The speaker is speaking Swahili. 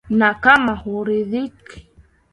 na kama huridhiki